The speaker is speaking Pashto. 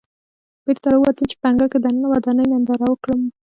بېرته راووتلم چې په انګړ کې دننه ودانۍ ننداره کړم.